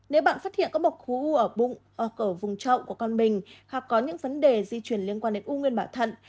nếu bạn phát hiện có một khu u ở vùng trọng của con mình hoặc có những vấn đề di chuyển liên quan đến u nguyên bảo thận